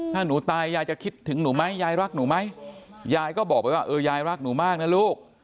ถ้าหนูตายยายจะคิดถึงหนูไหมยายรักหนูไหมยายก็บอกไปว่าเออยายรักหนูมากนะลูก